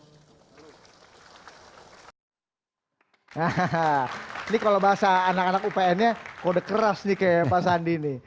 hahaha ini kalau bahasa anak anak upn nya kode keras nih kayak pak sandi nih